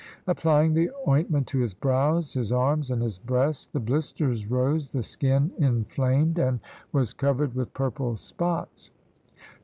Applying the ointment to his brows, his arms, and his breast, the blisters rose, the skin inflamed, and was covered with purple spots.